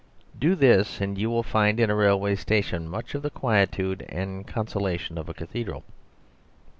Do this, and you will find in a railway station much of the quietude and consolation of a cathedral.